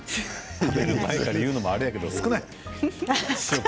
食べる前から言うのはあれだけど絶対少ない。